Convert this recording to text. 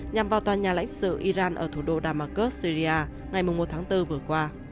nhằm vào toàn nhà lãnh sự iran ở thủ đô damascus syria ngày một tháng bốn vừa qua